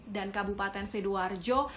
dan kabupaten seduarjo